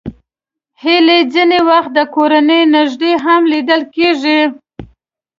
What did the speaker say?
هیلۍ ځینې وخت د کورونو نږدې هم لیدل کېږي